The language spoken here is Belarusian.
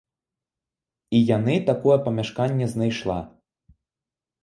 І яны такое памяшканне знайшла.